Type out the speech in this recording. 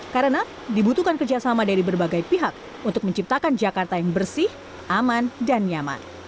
karena dibutuhkan kerjasama dari berbagai pihak untuk menciptakan jakarta yang bersih aman dan nyaman